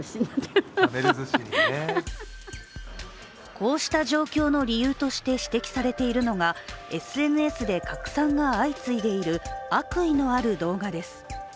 こうした状況の理由として指摘されているのがＳＮＳで拡散が相次いでいる悪意のある動画です。